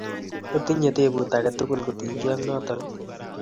Otinye tebut ake tukul kotinkey ak notokii?